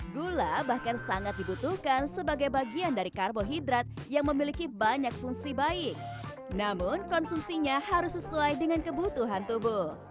gula bahkan sangat dibutuhkan sebagai bagian dari karbohidrat yang memiliki banyak fungsi baik namun konsumsinya harus sesuai dengan kebutuhan tubuh